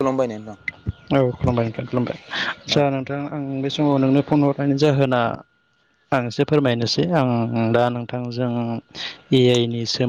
खुलुमबाय नोंथां औ खुलुमबाय नोंथां खुलुमबाय औ आतसा नोंथां आं बे नोंनो फन हरनायनि जाहोना आं एसे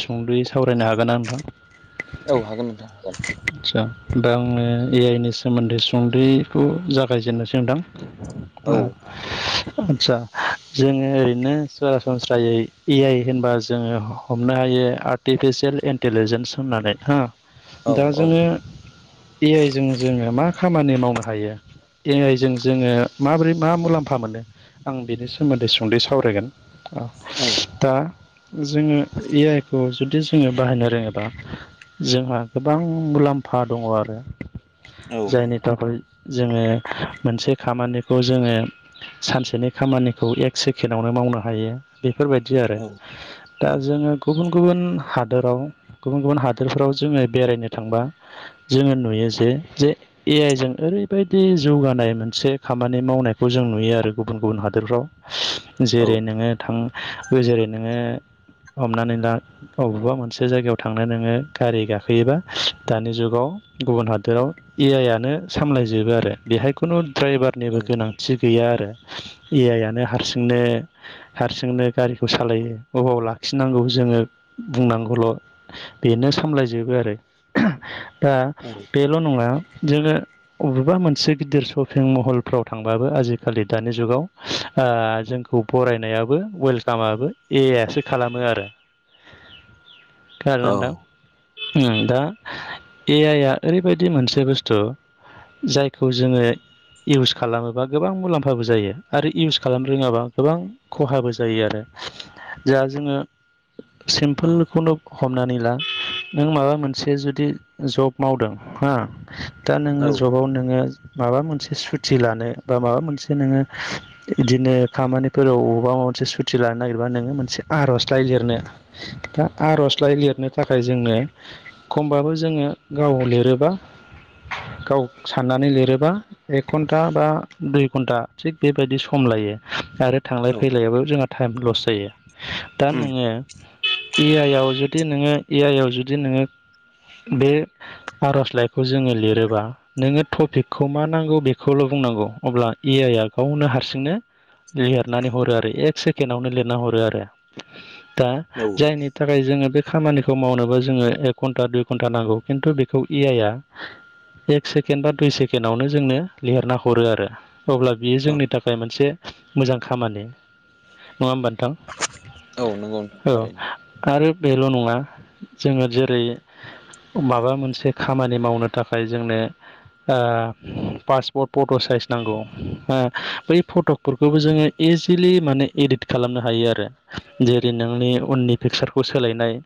सुंदुयै सावरायनो हागोना नोंथां औ हागोन नोंथां हागोन आदसा दा आंङो ए आइ नि सोमोन्दै सुंदयैखौ जागायजेननोसै औ नोंथां हागोन दे आतसा जोङो ओरैनो सरासनस्रायै ए आइ होनबा जोंङो हमनो हायो आर्टि आर्टिफिसियेल इन्टेलेजेन्स होननानै हो औ दा औ जोङो ए आइजों जोंङो मा खामानि मावनो हायो ए आइजों जोंङो माबोरै मा मुलाम्फा मोनो आं बिनि सोमोन्दै सुंदयै सावरायगोन औ दा जोंङो ए आइ खौ जुदि जोंङो बाहायनो रोङोबा जोंहा गोबां मुलाम्फा दङ' आरो औ जायनि थाखाय जोंङो मोनसे खामानिखौ जोंङो सानसेनि खामानिखौ एक सेकेण्डआवनो मावनो हायो बेफोरबायदि आरो दा औ जोंङो गुबुन गुबुन गुबुन हादोराव गुबुन गुबुन हादोरफ्राव जोङो बेरायनो थांबा जोंङो नुयो जे जे ए आइ जों ओरैबायदि जौगानाय मोन एसे खामानि मावनायखौ जों नुयो आरो गुबुन गुबुन हादोरफ्राव जेरै नोंङो थां जेरै नोंङो हमनानै ला अबावबा मोनसे जायगायाव थांनो नोंङो गारि गा खोयोबा दानि जुगाव गुबुन हादोराव ए आइआनो सामलायजोबो आरो बेहाय खुनु ड्राइभार निबो औ गोनांथि गैया आरो ए आइ आनो हारसिंनो हारसिंनो गारिखौ सालायो अबाव लाखिनांगौ जोंङो बुंनांगौल बेनो सामलाय जोबो आरो दा बेल' नंङा जोङो बबेबा मोनसे गिदिर शपिं महलफ्राव थांबाबो आजिखालि दानि जुगाव ओ‌ जोंखौ बरायनायाबो वेलकामाबो ए आइ आसो खालामो आरो औ गागोनदां उम दा ए आइ आ ओरैबायदि मोनसे बुस्थु इउस खालामो जा जोङो सिम्पोलखौनो हमनानै ला नों माबा मोनसे जुदि जब मावदों हो दा नोङो औ जबाव नोङो माबा मोनसे सुति लानो बा माबा मोनसे नोङो बिदिनो खामानिफोराव अबेबा मोनसे सुथि लानो नागिरबा नोङो मोनसे आर'जलाइ लिरनो दा आर'जलाइ लिरनो थाखाय जोंनो। खमब्लााबो जोङो गाव लिरोब्ला गाव साननानै लिरोबा एक घन्टा बा दुइ घन्टा थिग बेबायदि सम लायो। आरो थांलाय फैलायायावबो जोंहा टाइम लस जायो दा उम नोङो। ए आइ आव जुदि नोङो ए आइ आव जुदि नोङो बे आर'जलाइखौ जोङो लिरोबा नोङो टपिकखौ मा नांगौ बेखौ ल बुंनांगौ अब्ला ए आइ आ गावनो हारसिंनो लिरनानै हरो आरो एक सेकेणडआवनो लिरना हरो आरो। दा औ जायनि थाखाय जोङो बे खामानिखौ मावनोबो जोङो एक घन्टा दुइ घन्टा नांगौ खिन्थु बेखौ ए आइया एक सेकेण्ड बा दुइ सेकेण्डआवनो जोंनो लिरना हरो आरो। अब्ला बियो औ जोंनि थाखाय मोनसे मोजां खामानि नङा होमबा नोंथां औ नंगौ नोंथां औ थारैनो आरो बेल' नङा। जोङो जेरै माबा मोनसे खामानि मावनो थाखाय जोंनो पासपर्ट फट' साइ नांगौ बै फटकफोरखौबो जोङो इजिलि माने इदिट खालामनो हायो आरो। जेरै नोंनि उननि पिकसारखौ सोलायनाय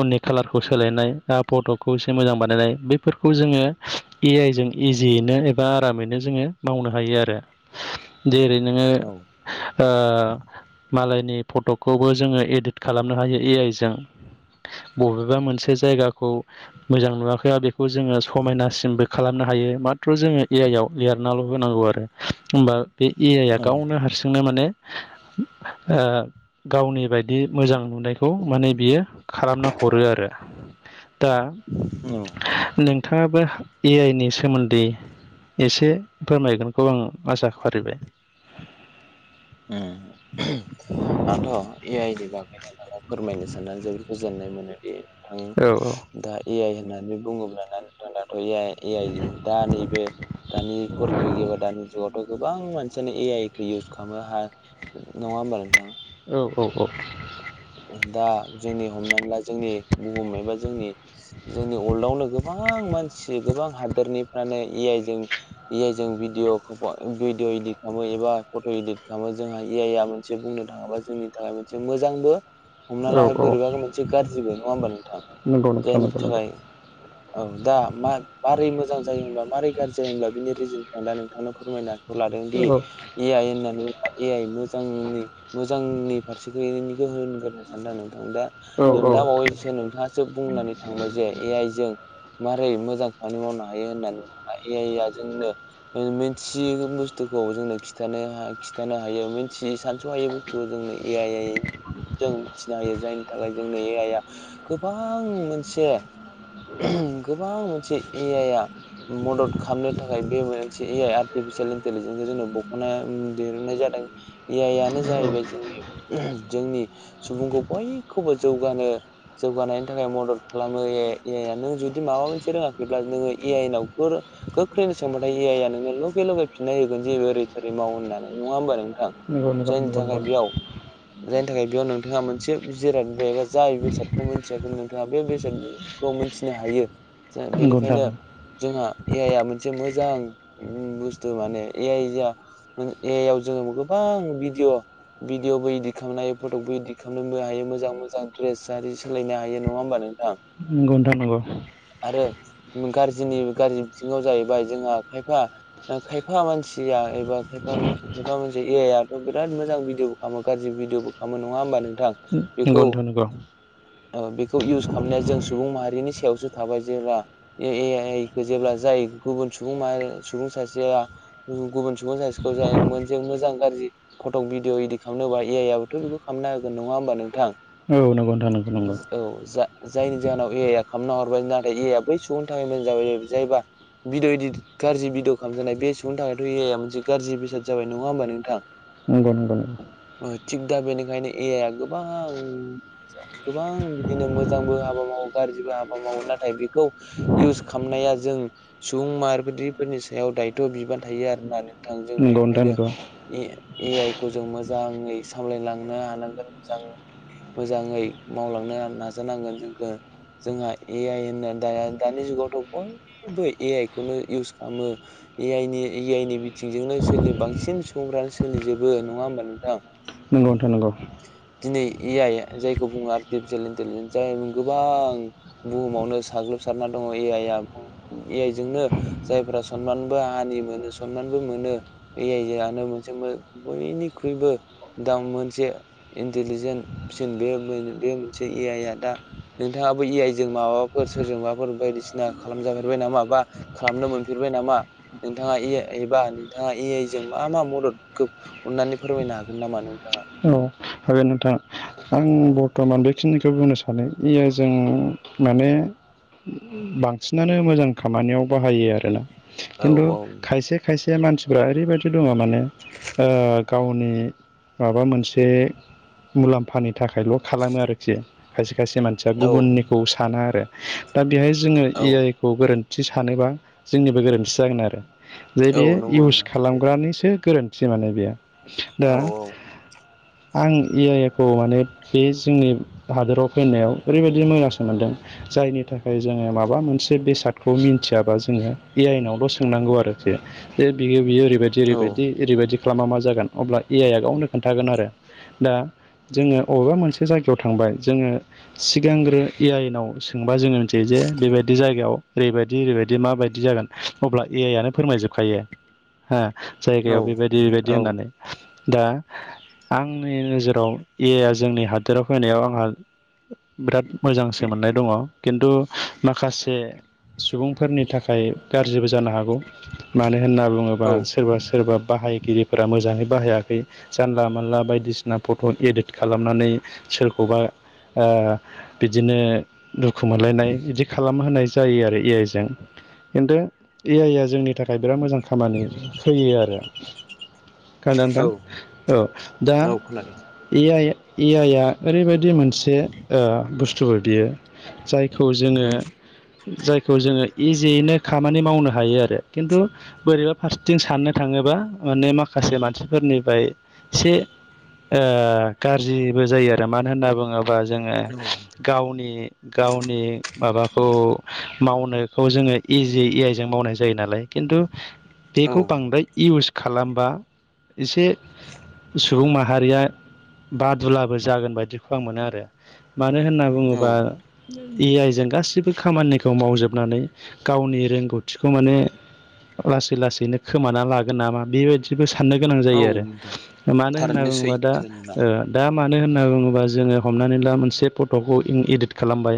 उननि कालारखौ सोलायनाय फट'खौ एसे मोजां बानायनाय बेफोरखौ जोङो ए आइजों इजियैनो एबा आरामैनो जोङो मावनो हायो आरो। जेरै नोङो औ ओ मालाय नि फट'खौबो जोङो एडट खालामनो हायो ए आइ जों बबेबा मोनसे जायगाखौ मोजां नुवाखैया बेखौ जोङो समायनासिमबो खालामनो हायो। माथ्र' जोङो ए आइ आव लिरनाल' होनांगौ आरो होमबा बे ए आइआ औ गावनो हारसिंनो माने गावनि बायदि मोजां। नुनायखौ माने बियो। खालामना हरो आरो दा नोंथाङाबो ए आइ। नि सोमोन्दै एसे फोरमायगोनखौ आं आसा खारिबाय [inaudible] उम आंथ' ए आइ [inaudible] फोरमायनो साननानै जोबोद गोजोननाय मोनोदि थां औ दा ए आइ होननानै बुङोब्ला [inaudible] ए ए आइ दा नैबे दानि परिबेक एबा दानि जुगावथ' गोबां मानसियानो ए आइखौ इउस खालामनो ह नङा होमबा नोंथां। औ औ औ। दा जोंनि हमनानै ला जोंनि बुुमबायबा जोंनि जोंनि वर्ल्डआवनो गोबां मानसि गोबां हादोरनिफ्रानो ए इ भअ भिडअ इदिट खालामो एबा फट' इदिट खालामो जोंहा आइ मोनसे बुंनो थाङोबा जोंनि थाखाय मोनसे मोजांबो हमना औ लाबाय औ बोरैबाो मोनसे गाज्रिबो नङा होमबा नोंथां नंगौ नोंथां जायनि नंगौ नंगौ थाखाय औ। दा मारै मोजां जायो मारै गाज्रि जायोमब्ला बिनि रिजल्टखौ आं दा नोंथांनो फोरमायनाै खौ लादोंदि औ ए आइ होनना बुङोब्ला ए आइ मोजांनि मोजां। नै फारसे गयैनिखौ होनग्रोन सानदों नों दा औ नों औ दा बावैसो नोंथाङासो बुंनानै थांबाय जे ए आइ जों मारै मोजां खामानि मावनो हायो होननानै ए आइ आ जोंनो मिथियै बुस्थु खौ जोंनो खिथानो खिथानो हायो मिथियै सानस' हायै बुस्थुखौ जोंनो ए आइ आइ जों मिथिनो हायो जायनि थाखाय जों नि ए आइया गोबां मोनसे गोबां मोनसे ए आइया मदद खालामनो थाखाय बे मोनसे ए आइ आर्टिफिसियेल इन्टेलिजेन्सखौ जोंङो बख'ना दहुननाय जादों। ए आइआनो जाहैबाय नंगौ जोंनि जोंनि सुबुंखौ बयखौबो जौगानो जौगानायनि थाखाय मदद खालामो ए आइ ए आया नों जुदि माबा मोनसे रोङाखैब्ला नोङो ए आइनाव फोर गोख्रैनो सोंबाथाय ए आइ आ नोंनो लगे लगे फिननाय होगोन जे ओरै थोरै माव होननानै। नङा होनबा नोंथां! नंगौ जायनि नंगौ नंगौ थाखाय बेयाव जायनि थाखाय बेया नों थाङा मोनसे जिराद एबा जाय बेसादखौ मिथियाखैमोन नोंथाङा बे बेसादखौ मिथिनो हायो। नोंथां बेनिखायनो जोंहा ए आइआ मोनसे मोजां बुस्थु माने ए आइया ए आइयाव जोङो गोबां भिदिअ भिडिअ'बो इदित खालामनो हायो फट'बो इदिद खामनोबो हायो। मोजां मोजां ड्रेस आरि सोलायनो हायो नङा होमबा नोंथां नंगौ नोंथां नंगौ आरो गाज्रिनि गाज्रि बिथिङाव जाहैबाय जोंहा खायफा खायफा मानसिया एबा खायफा खायफा मानसि ए आथ' बिराद मोजां भिदिअ'बो खालामो गाज्रि भिदिअ'बो खालामो नङा होमबा नों नंगौ नोंथां नंगौ। ओ बेखौ इउस खालामनाया जों सुबुं माहारिनि सायावसो थाबाय जेब्ला ए आइखौ जेब्ला जाय गुबुन सुबुं माहारि सुबुं सासेया गुबुन सुबुं सासेखौ जाय मोनसे मोजां गाज्रि फट'क भिडिअ इदिट खालामनोबा ए आइ आबोथ' बेखौ खालामना होगोन नङा होमबा नोंथां! औ नंगौ नोंथां नंगौ नंगौ। औ जा जायनि जाहोनाव ए आइ आ खालामना हरबाय नाथाय ए आइआ बै सुबुंनि थाखाय मोजां जाबाय जायबा भिडिअ' इदिद गाज्रि भिडिअ' खालामजानाय बे सुबुंनि थाखायथ' ए आइया मोनसे गाज्रि बेसाद जाबाय नङा होमबा नोंथां! नंगौ नोंथां नोंगौ थिग दा बेनिखायनो ए आइया गोबां गोबां बिदिनो मोजांबो हाबा मावो गाज्रिबो हाबा मावो नाथाय बेखौ इउस खालामनाया जों सुबुं माहारिफोरनि सायाव दायथ' बिबान थायो आरो ना नों थां जों नंगौ नंगौ बेनिखायनो नोंथां ए आइ खौ जों मोजाङै सामलायलांनो हानांगोन। मोजाङै मावलांनो नाजानांगोन जोंखौ जोंहा ए आइ होनना दाया दानि जुगावथ' बयबो ए आइ खौनो इउस खालामो। ए आइनि ए आइनि बिथिंजोंनो सो बांसिन सुबुंफ्रानो सोलिजोबो नङा होमबा नोंथां? नोंगौ नोंथां नंगौ। दिनै ए आइ जायखौ बुङो आर्टिफिसियेल इन्टिलिजेन्स जाय गोबां बुहुमावनो साग्लोब सारना दङ ए आइया। ए आइ जोंनो जायफोरा सनमानबो हानि मोनो सनमानबो मो नों ए आइयानो मोनसे बयनिख्रुइबो दा मोनसे इन्टेलिजेन्टसिन बे। बे मोनसे ए आइ आ दा नोंथाङाबो ए आइ जों माबा फोर सोरजोंबाफोर बायदिसिना खालामजफेरबाय नामा? बा खालामनो मोनफेरबाय नामा नोंथाङा ए आइ एबा नोंथाङा ए आइ जों मा मा मददखौ अननानै फोरमायनो हागोन नामा नोंथाङा? औ नोंथां आं औ बर्थमान बेखिनि खौ नो बुंनो सानो ए आइ जों माने बांसिनानो मोजां खामानियाव बाहायो आरो ना औ खिन्थु खायसे खायसे मानसिफ्रा ओरैबायदि दङ माने ओ गावनि माबा मोनसे मुलाम्फानि थाखायल' खालामो आरोखि। खायसे खायसे मानसिया औ गुबुननिखौ साना आरो दा बेहाय जोङो औ ए आइ खौ गोरो नैथि सानोबा जोंनिबो गोरोन्थि जागोन आरो। जे औ बे नंगौ इउस नोंथां सैथो खालामग्रानिसो गोरो नैथि माने बेयो औ ।दा आं ए आइयखौ माने बे जोंनि हादोराव होनायाव ओरैबायदि मोजांसो मोनदों ।जायनि थाखाय जोङो माबा मोनसे बेसादखौ मिथियाबा जों आइनावल' सोंनांगौ आरोखि जे बियो बियो ओरैबायदि औ ओरैबायदि ओरैबायदि खालामा मा जागोन? अब्ला ए आइ आ गावनो खोन्थागोन आरो। दा जोङो अ'बेबा मोनसे मोनसे जायगायाव थांबाय जोङो सिगांग्रो ए आइनाव सोंबा जोङो मिथियो जे बेबायदि जायगायाव ओरैबायदि ओरैबायदि माबायदि जागोन अब्ला ए आइ आनो फोरमायजोबखायो हो औ जायगायाव बेबायदि बेबायदि औ होननानै दा आंनि नोजोराव ए आइया जोंनि हादोराव फैनायाव आंहा बिराद मोजांसो मोननाय दङ खिन्थु माखासे सुबुंफोरनि थाखाय गारज्रिबो जानो हागौ। मानो होनना बुङोबा औ सोरबा सोरबा बाहाय गिरिफोरा मोजाङै बाहायाखै जानला मोनला बायदिसिना फट' एदिद खालामनानै सोरखौबा ओ बिदिनो दुखु मोनलायनाय इदि खालामहोनाय जायो आरो ए आइजों खिन्थु ए आइआ जोंनि थाखाय बिराद मोजां खामानि होयो आरो खा नोंथां औ। राव खोनादों। एआइ ए आइआ ओरैबायदि दि मोनसे ओ बुस्थुबो बियो जायखौ जोङो उम जायखौ जोङो इजियैनो खामानि मावनो हायो आरो। खिन्थु बोरैबा फारसिथिं साननो थाङो बा माने माखासे मानसिफोरनिफ्राय से ओ गारज्रिबो जायो आरो मानो होनना बुङो बा जोङो औ गावनि गावनि माबाखौ मावनोखौ जोङो इजि ए आइजों मावनाय जायो नालाय खिन्थु औ बेखौ बांद्राय इउस खालामबा एसे सुबुं माहारिया बादुलाबो जागोन बायदिखौ आं मोनो आरो। मानो होनना बुङोबा ए आइ जों गासिबो खामानिखौ मावजोबनानै गावनि रोंगौथिखौ माने लासै लासैनो खोमाना लागोन नामा बेबायदिबो साननो गोनां औ जायो आरो। नोंथां मानो होनना थारैनो बुङोबा दा सैथो नोंना ओ दा दा मानो होनना बुङोबा जोङो हमनानै ला मोनसे फट'खौ इं इदिट खालामबाय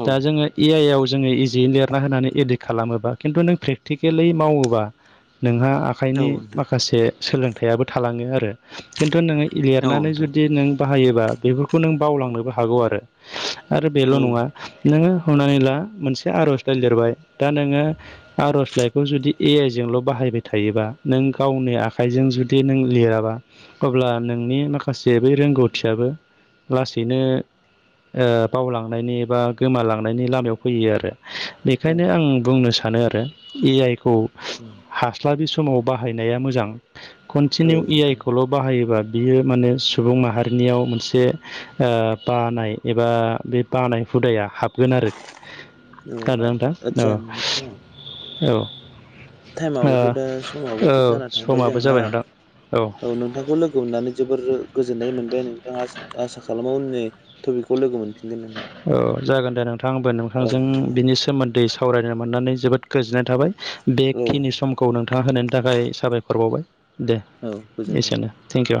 औ दा जोङो ए आइ आव जोङो इजियै लिरना होनानै एडिद खालामोबा खिन्थु नों प्रेकटिकेलि मावोबा नोंहा आखाइनि नोंथां औ माखासे सोलोंथाइयाबो थालाङो आरो खिन्थु नोङो लिरनानै नोंथां जुदि नों बाहायोबा बेफोरखौ नों बावलांनोबो हागौ आरो आरो बेल' औ नङा नोङो हमनानै ला मोनसे आर'जलाइ लिरबाय दा नोङो आर'जलाइखौ जुदि ए आइ जोंल' बाहायबाय थायोबा नों गावनि आखाइजों जु दि नों लिराबा अब्ला नोंनि माखासे बै रोंगौथियाबो लासैनो ओ बावलांनायनि बा गोमालांनायनि लामायाव फैयो आरो। औ बेखायनो आं बुंनो सानो आरो ए आइ खौ औ हास्लाबि सम समाव बाहायनाया मोजां कन्टिनिउ इ आइ नोंथां खौल' बाहायोबा बियो माने सुबुं माहारिनियाव मोनसे ओ बानाय एबा बे बानाय हुदाया हाबगोन आरो औ खोनादों ना नोंथां आदसा नोंथां अ'। औ। टाइमाबोथ' दा समाबोथ' औ जाना थांबाय समाबो जोंहा। जाबाय नोंथां औ नोंथांखौ लोगो मोननानै जोबोर गोजोन नै मोनबाय नै नोंथां आसा आसा खालामो उननि टपिकखौ लोगो मोनफिनगोन नोंहा। औ जागोन दे नोंथांबो नोंथांजों बिनि सोमोन्दै सावरायनो मोननानै जोबोद गोजोननाय थाबाय। औ बेखिनि समखौ नोंथाङा होनायनि थाखाय साबायखर बावबाय। दे औ गोजोन्थों। एसेनो थेंक इउ।